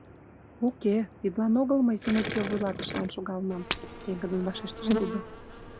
Уке, тидлан огыл мый земотдел вуйлатышылан шогалынам, — пеҥгыдын вашештыш тудо.